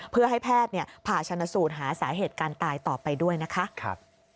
เพื่อให้แพทย์ผ่าชนสูตรหาสาเหตุการตายต่อไปด้วยนะคะ